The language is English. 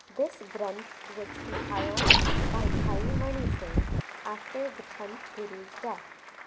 This Granth was compiled by Bhai Mani Singh after the tenth Guru s death.